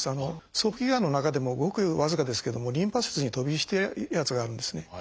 早期がんの中でもごく僅かですけどもリンパ節に飛び火してるやつがあるんですね。